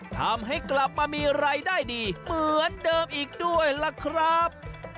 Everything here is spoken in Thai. ทำให้กลับมามีรายได้ดีเหมือนเดิมอีกด้วยล่ะครับ